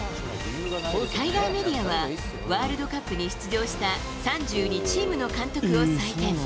海外メディアは、ワールドカップに出場した３２チームの監督を採点。